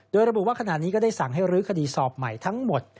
โดยระบุว่าขณะนี้ก็ได้สั่งให้รื้อคดีสอบใหม่ทั้งหมด